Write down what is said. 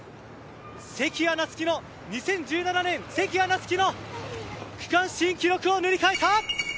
関谷夏希の２０１７年の区間新記録を塗り替えた。